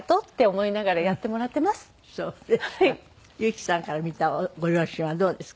憂樹さんから見たご両親はどうですか？